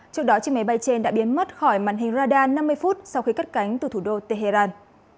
trước đó chiếc máy bay trên đã biến mất khỏi màn hình radar năm mươi phút sau khi cắt cánh từ thủ đô tehran